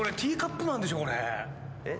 えっ？